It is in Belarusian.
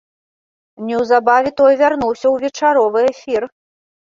Неўзабаве той вярнуўся ў вечаровы эфір.